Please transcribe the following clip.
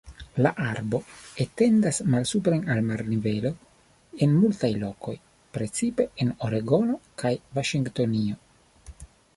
La arbo etendas malsupren al marnivelo en multaj lokoj, precipe en Oregono kaj Vaŝingtonio.